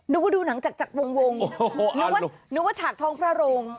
ดูว่าดูหนังจากวงนึกว่าฉากท้องพระโรง